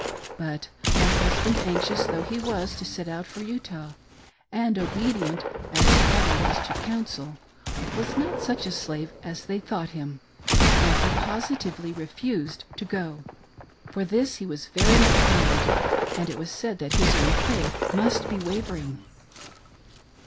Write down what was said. But my husband, anxious though he was to set out for Utah, and obedient, as he ever was to "counsel," was not such a slave as they thought him, and he positively refused to go. For this he was very much blamed, and it was said that his own faith must be wavering.